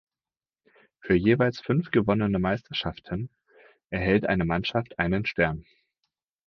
Für jeweils fünf gewonnene Meisterschaften erhält eine Mannschaft einen Stern.